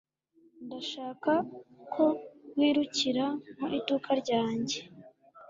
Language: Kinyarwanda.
Ndashaka ko wirukira mu iduka ryanjye